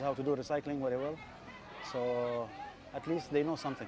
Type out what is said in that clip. kita kemungkinan akan bercampur tg